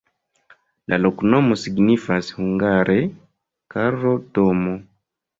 La loknomo signifas hungare: Karlo-domo.